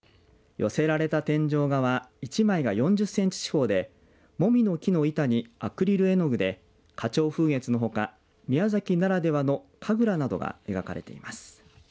寄せられた天井画は１枚が４０センチ四方でもみの木の板にアクリル絵の具で花鳥風月のほか、宮崎ならではの神楽などが描かれています。